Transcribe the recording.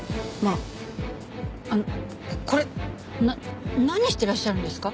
あのこれ何してらっしゃるんですか？